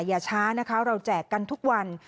อย่าช้านะคะเราแจกกันทุกวัน